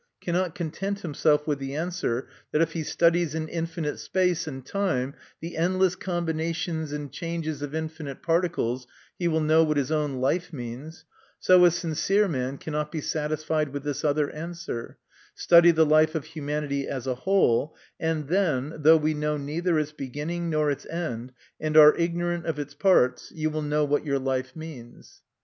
cannot content himself with the answer that if he studies in infinite space and time the endless combina tions and changes of infinite particles, he will know what his own life means, so a sincere man cannot be satisfied with this other answer, " Study the life of humanity as a whole, and then, though we know neither its beginning nor its end, and are ignorant of its parts, you will know what your life means."